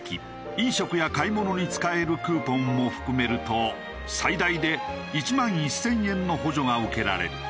飲食や買い物に使えるクーポンも含めると最大で１万１０００円の補助が受けられる。